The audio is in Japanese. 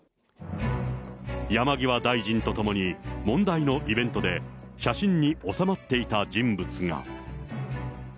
山際大臣と共に問題のイベントで、写真に収まっていた人物が。